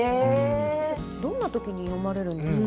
どんな時に読まれるんですか？